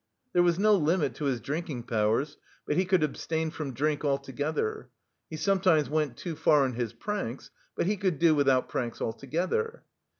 There was no limit to his drinking powers, but he could abstain from drink altogether; he sometimes went too far in his pranks; but he could do without pranks altogether.